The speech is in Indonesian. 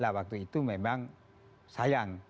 nah waktu itu memang sayang